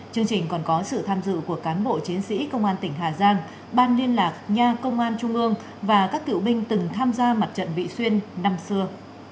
chương trình còn có sự tham dự của cán bộ chiến sĩ công an tỉnh hà giang ban liên lạc nha công an trung ương và các cựu binh từng tham gia mặt trận vị xuyên năm xưa